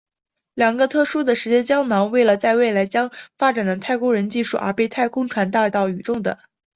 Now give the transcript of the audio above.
这两个特殊的时间囊是为了在未来将发展的太空人技术而被太空船带到宇宙的。